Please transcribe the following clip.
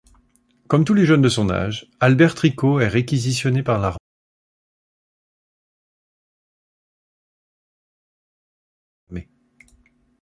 Comme tous les jeunes de son âge, Albert Tricot est réquisitionné par l’armée.